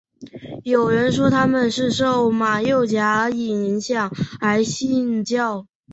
有人说他们是受马六甲影响而信教。